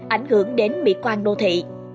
ảnh hưởng đến mỹ quan đô thị